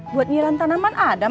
buat ngiran tanaman ada mang